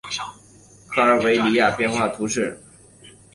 科尔韦西亚人口变化图示